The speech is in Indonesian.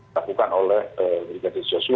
dilakukan oleh ibu pc